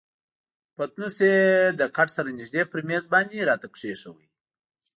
پتنوس یې له کټ سره نژدې پر میز باندې راته کښېښود.